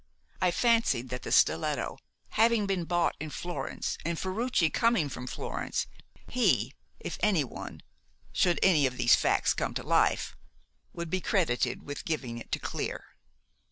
I fancied that the stiletto, having been bought in Florence, and Ferruci coming from Florence, he, if anyone should any of these facts come to light would be credited with giving it to Clear.